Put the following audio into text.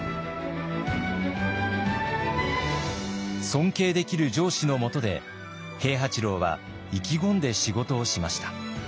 尊敬できる上司のもとで平八郎は意気込んで仕事をしました。